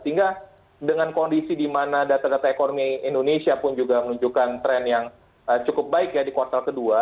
sehingga dengan kondisi di mana data data ekonomi indonesia pun juga menunjukkan tren yang cukup baik ya di kuartal kedua